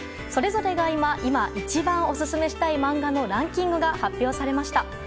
それぞれが今一番オススメしたい漫画のランキングが発表されました。